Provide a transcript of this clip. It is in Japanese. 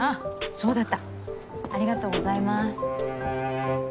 そうだったありがとうございます。